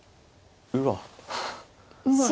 うわっ！